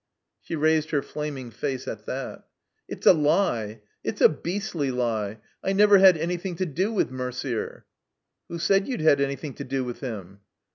She raised her flaming face at that. "It's a lie! It's a beastly lie! I never had any thing to do with Mercier." "Who said you'd had anjrthing to do with him?"